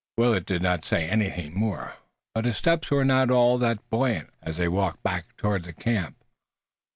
Willet did not say anything more, but his steps were not at all buoyant as they walked back toward the camp.